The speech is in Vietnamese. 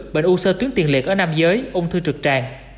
bệnh u sơ tuyến tiền liệt ở nam giới ung thư trực tràng